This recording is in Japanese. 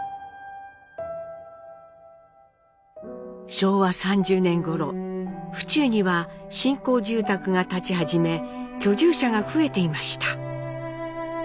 昭和３０年ごろ府中には新興住宅が建ち始め居住者が増えていました。